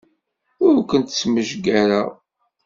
Ur kent-smejgareɣ.